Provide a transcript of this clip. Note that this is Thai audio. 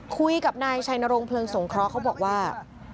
คุยกับนายชัยนรงเพลิงสงเคราะห์เขาบอกว่า